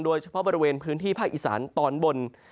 โดยเฉพาะบริเวณพื้นที่ภาคอีสานตอนบน